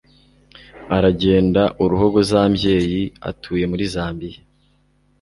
aragenda uruhogozambyeyi.atuye muri zambiya